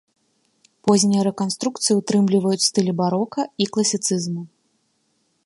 Познія рэканструкцыі ўтрымліваюць стылі барока і класіцызму.